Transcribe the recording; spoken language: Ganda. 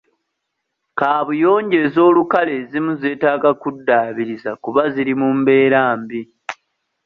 Kaabuyonjo ez'olukale ezimu zeetaaga kuddaabiriza kuba ziri mu mbeera mbi.